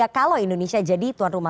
kalau indonesia jadi tuan rumah